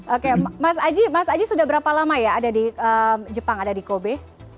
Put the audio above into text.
oke mas aji mas aji sudah berapa lama ya ada di jepang ada di kobe